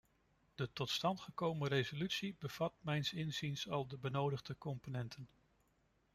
De tot stand gekomen resolutie bevat mijns inziens al de benodigde componenten.